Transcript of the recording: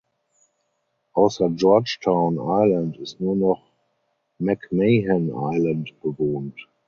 Außer Georgetown Island ist nur noch "Mac Mahan Island" bewohnt.